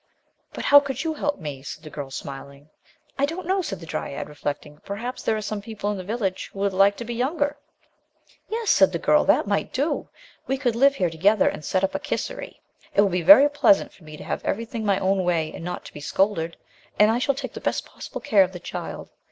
"But how could you help me?" said the girl, smiling. "I don't know," said the dryad, reflecting, "perhaps there are some people in the village who would like to be younger." "Yes," said the girl, "that might do. We could live here together and set up a kisserie. It will be very pleasant for me to have everything my own way and not to be scolded, and I shall take the best possible care of the child.